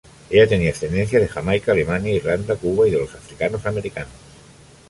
Ella tiene ascendencia de Jamaica, Alemania, Irlanda, Cuba y de los Africanos-Americanos.